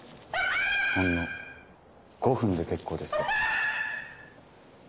ほんの５分で結構ですが。